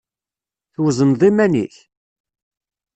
Twezneḍ iman-ik?